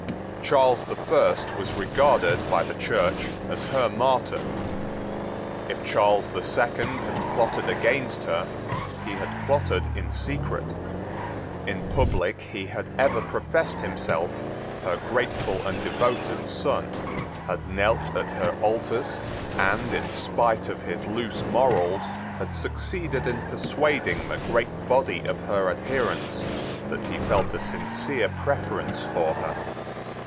Charles the First was regarded by the Church as her martyr. If Charles the Second had plotted against her, he had plotted in secret. In public he had ever professed himself her grateful and devoted son, had knelt at her altars, and, in spite of his loose morals, had succeeded in persuading the great body of her adherents that he felt a sincere preference for her.